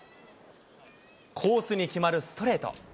コースに決まるストレート。